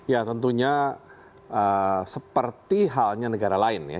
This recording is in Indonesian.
ya tentunya seperti halnya negara lain ya